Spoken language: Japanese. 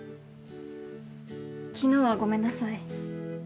昨日はごめんなさい。